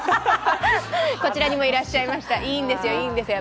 こちらにもいらっしゃいました、いいんですよ、いいんですよ。